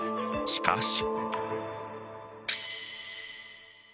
しかし。